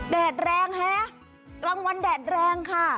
แดดแรงฮะกลางวันแดดแรงค่ะ